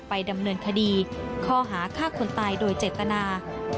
ดำเนินคดีข้อหาฆ่าคนตายโดยเจตนา